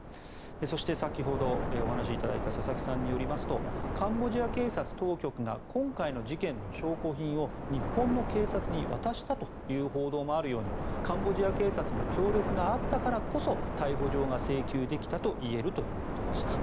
そして、先ほどお話しいただいた佐々木さんによりますとカンボジア警察当局が今回の事件の証拠品を日本の警察に渡したという報道もあるようにカンボジア警察の協力があったからこそ逮捕状が請求できたといえるということでした。